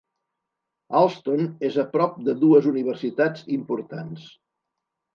Allston és a prop de dues universitats importants.